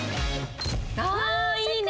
ああいいね！